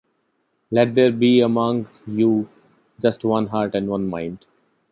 Let there be among you just one heart and one mind.